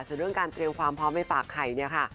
ส่วนเรื่องการเตรียมความพร้อมไปฝากไข่เนี่ยค่ะ